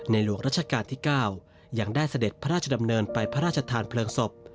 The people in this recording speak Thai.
หลวงราชการที่๙ยังได้เสด็จพระราชดำเนินไปพระราชทานเพลิงศพ